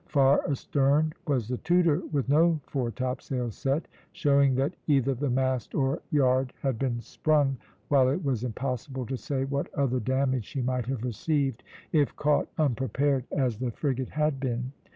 Far astern was the Tudor with no fore topsail set, showing that either the mast or yard had been sprung while it was impossible to say what other damage she might have received, if caught unprepared as the frigate had been.